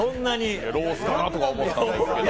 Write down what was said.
いや、ロースかなとか思ったんやけど。